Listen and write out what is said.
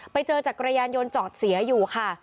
จักรยานยนต์จอดเสียอยู่ค่ะ